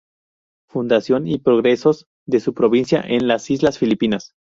Fundación y progresos de su provincia en las Islas Filipinas.